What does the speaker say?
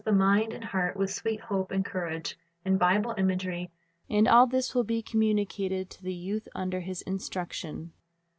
132 Christ's Object Lessons mind and heart with sweet hope and courage* and Bible imagery, and all this will be communicated to the youth under his instruction.